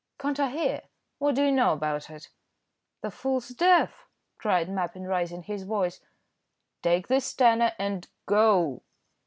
"Can't I hear? what do you know about it?" "The fool's deaf," cried Mappin, raising his voice. "Take this tenner and go."